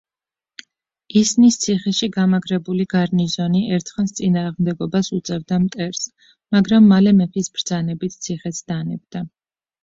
ისნის ციხეში გამაგრებული გარნიზონი ერთხანს წინააღმდეგობას უწევდა მტერს, მაგრამ მალე მეფის ბრძანებით ციხეც დანებდა.